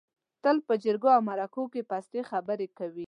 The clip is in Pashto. تل په جرګو او مرکو کې پستې خبرې کوي.